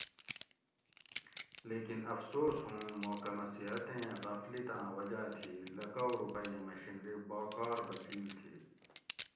لیکن افسوس ہوں محکمہ صحتیں غفلتاۤں وجاۤ تھی لکاؤ روپئی ایں مشینری باکار بچیل تھی